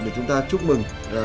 để chúng ta chúc mừng